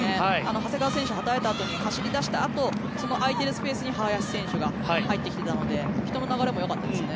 長谷川選手、働いたあとに走り出したあとその空いたスペースに林選手が入ってきていたので人の流れもよかったですね。